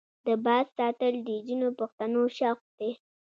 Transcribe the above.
د باز ساتل د ځینو پښتنو شوق دی.